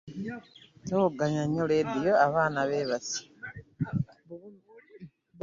Towogganya nnyo leediyo abaana beebase.